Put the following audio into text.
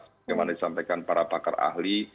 sebagaimana disampaikan para pakar ahli